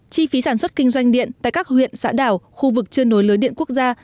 chi phí sản xuất kinh doanh điện tại các huyện xã đảo khu vực chưa nối lưới điện quốc gia